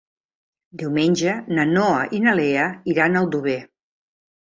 Diumenge na Noa i na Lea iran a Aldover.